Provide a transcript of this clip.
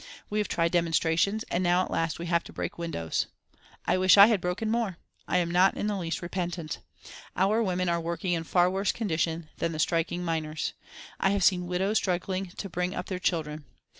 We have tried demonstrations, and now at last we have to break windows. I wish I had broken more. I am not in the least repentant. Our women are working in far worse condition than the striking miners. I have seen widows struggling to bring up their children.